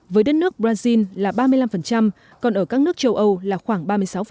với đất nước brazil là ba mươi năm còn ở các nước châu âu là khoảng ba mươi sáu